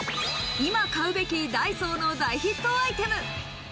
今買うべきダイソーの大ヒットアイテム。